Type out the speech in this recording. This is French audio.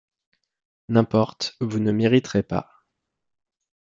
N’importe, vous ne m’irriterez pas.